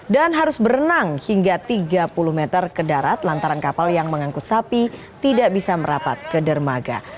dan harus berenang hingga tiga puluh meter ke darat lantaran kapal yang mengangkut sapi tidak bisa merapat ke dermaga